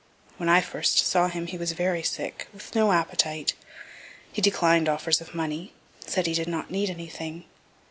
When I first saw him he was very sick, with no appetite. He declined offers of money said he did not need anything.